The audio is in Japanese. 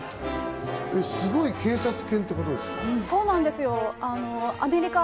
すごい警察犬ってことですか？